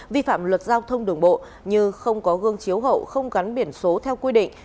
vi phạm luật giao thông đường bộ như không có gương chiếu hậu không gắn biển số theo quy định